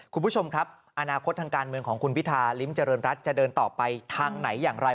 คุณผู้ชมครับอนาคตทางการเมืองของคุณพิธาริมเจริญรัฐจะเดินต่อไปทางไหนอย่างไร